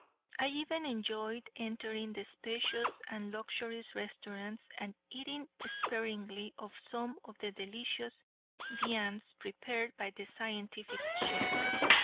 I even enjoyed entering the spacious and luxurious restaurants and eating sparingly of some of the delicious viands prepared by the scientific chef.